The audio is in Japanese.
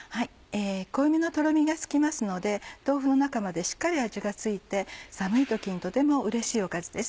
濃いめのとろみがつきますので豆腐の中までしっかり味が付いて寒い時にとてもうれしいおかずです。